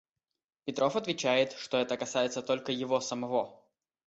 Петров отвечает, что это касается только его самого.